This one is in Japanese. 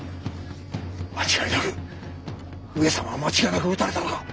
間違いなく上様は間違いなく討たれたのか！？